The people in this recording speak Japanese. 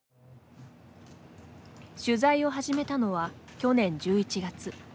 取材を始めたのは去年１１月。